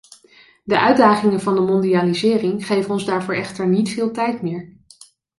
De uitdagingen van de mondialisering geven ons daarvoor echter niet veel tijd meer.